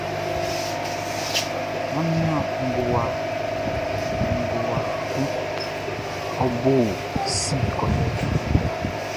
Nannin ngʼɔ́ wá kɔ́ʼn, ɔ bo i sin kɔlɛ bo.